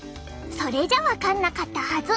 それじゃ分かんなかったはず。